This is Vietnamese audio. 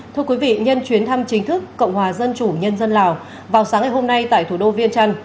thưa quý vị nhân chuyến thăm chính thức cộng hòa dân chủ nhân dân lào vào sáng ngày hôm nay tại thủ đô viên trăn